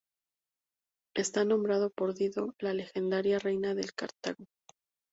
Está nombrado por Dido, la legendaria reina de Cartago.